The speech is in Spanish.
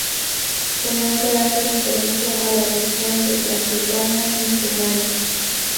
Su nombre hace referencia a la región de Transilvania en Rumanía.